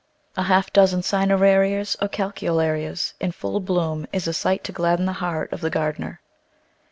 A half dozen Cinerarias or Calceolarias in full bloom is a sight to gladden the heart of the gardener.